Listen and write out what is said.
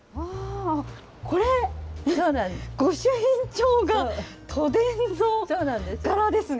これ、ご朱印帳が都電の柄ですね。